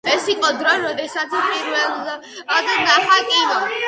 ეს იყო დრო, როდესაც პირველად ნახა კინო.